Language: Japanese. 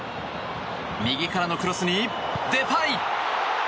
右からのクロスに、デパイ！